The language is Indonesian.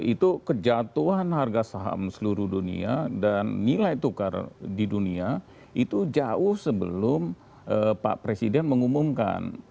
itu kejatuhan harga saham seluruh dunia dan nilai tukar di dunia itu jauh sebelum pak presiden mengumumkan